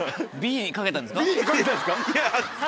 Ｂにかけたんですか？